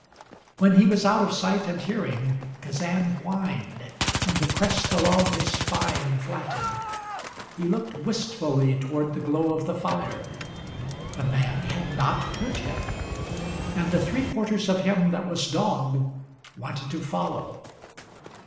When he was out of sight and hearing, Kazan whined, and the crest along his spine flattened. He looked wistfully toward the glow of the fire. The man had not hurt him, and the three quarters of him that was dog wanted to follow.